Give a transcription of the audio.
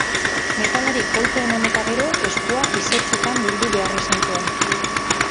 Metalari kolpe eman eta gero eskua izotzetan bildu behar izan zuen.